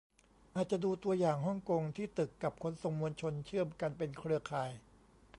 อาจจะดูตัวอย่างฮ่องกง ที่ตึกกับขนส่งมวลชนเชื่อมกันเป็นเครือข่าย